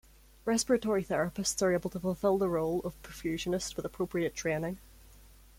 Respiratory Therapists are able to fulfill the role of Perfusionist with appropriate training.